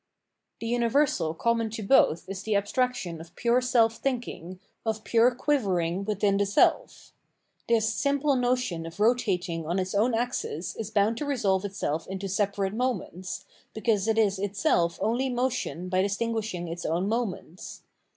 The universal common to both is the abstraction of pure self thinking, of pxure quivering within the seH. This simple motion of rotatmg on its own axis is bound to resolve itself into separate moments, because it is itself only motion by distinguishiog its own mohaents.